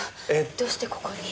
どうしてここに？